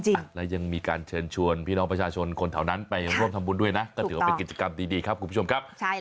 อ่ะแล้วยังมีการเชิญชวนพี่น้องประชาชนคนแถวนั้นไปร่วมทำบุญด้วยนะก็ถือว่าเป็นกิจกรรมดีครับคุณผู้ชมครับ